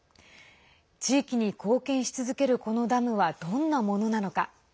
地域に貢献し続けるこのダムはどんなものなのか。